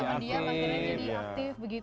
oh yang pendiam maksudnya jadi aktif begitu ya